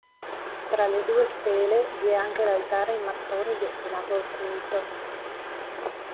Tra le due stele, vi è anche l'altare in mattoni destinato al culto.